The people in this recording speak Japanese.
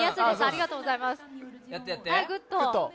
ありがとうございます。